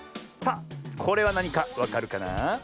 さあこれはなにかわかるかなあ？